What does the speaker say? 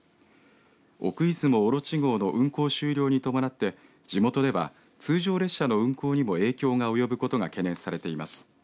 奥出雲おろち号の運行終了に伴って地元では、通常列車の運行にも影響が及ぶことが懸念されています。